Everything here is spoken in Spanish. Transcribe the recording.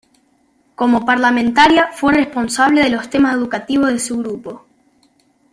Como parlamentaria fue responsable de los temas educativos de su grupo.